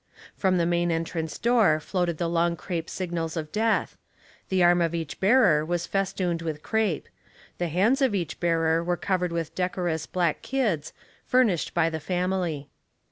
From the main entrance door floated the long crape signals of death ; the arm of each bearer was festooned with crape ; the hands of each bearer were cov ered with decorous black kids, furnished by the family.